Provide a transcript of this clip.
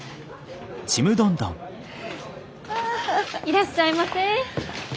いらっしゃいませ。